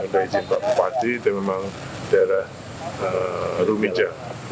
dari jembatan pepadi itu memang daerah rumija